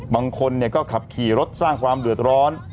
บางคนก็ขับขี่รถสร้างความเดือดร้อน